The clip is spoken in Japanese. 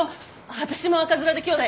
私も赤面できょうだい！